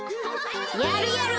やるやる！